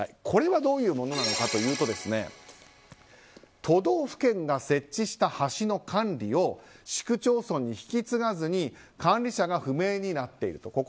これはどういうものなのかというと都道府県が設置した橋の管理を市区町村に引き継がずに管理者が不明になっていると。